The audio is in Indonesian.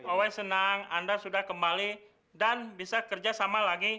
owe senang anda sudah kembali dan bisa kerja sama lagi